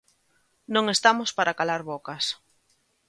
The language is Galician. Non estamos para calar bocas.